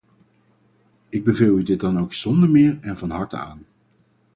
Ik beveel u dit dan ook zonder meer en van harte aan.